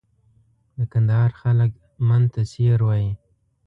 د کندهار خلک من ته سېر وایي.